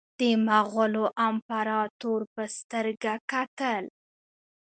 د مغولو امپراطور په سترګه کتل.